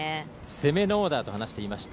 攻めのオーダーと話していました。